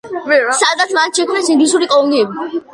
სადაც მათ შექმნეს ინგლისური კოლონიები.